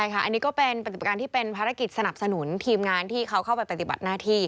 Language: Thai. อันนี้ก็เป็นปฏิบัติการที่เป็นภารกิจสนับสนุนทีมงานที่เขาเข้าไปปฏิบัติหน้าที่